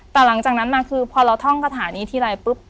แต่หลังจากนั้นมาคือพอเราท่องคาถานี้ทีไรปุ๊บ